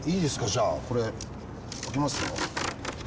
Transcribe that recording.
じゃあこれ開けますよ。